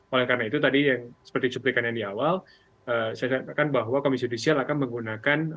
oleh karena itu tadi yang seperti cuplikan yang di awal saya katakan bahwa komisi judisial akan menggunakan